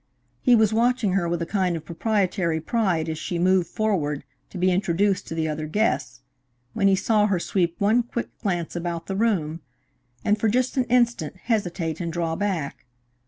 He was watching her with a kind of proprietary pride as she moved forward to be introduced to the other guests, when he saw her sweep one quick glance about the room, and for just an instant hesitate and draw back.